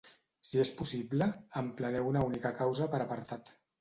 Si és possible, empleneu una única causa per apartat.